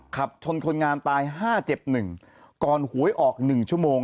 ขับชนคนงานตาย๕เจ็บ๑ก่อนหวยออก๑ชั่วโมง